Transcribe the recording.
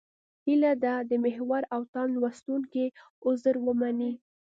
هیله ده د محور او تاند لوستونکي عذر ومني.